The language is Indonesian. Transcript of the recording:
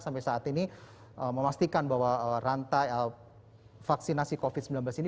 sampai saat ini memastikan bahwa rantai vaksinasi covid sembilan belas ini